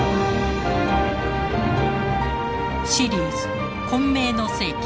シリーズ「混迷の世紀」